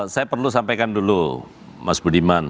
saya perlu sampaikan dulu mas budiman